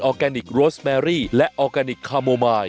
ออร์แกนิครสแมรี่และออร์แกนิคคาร์โมไมล์